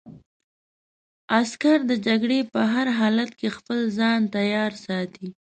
عسکر د جګړې په هر حالت کې خپل ځان تیار ساتي.